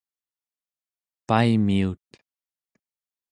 paimiut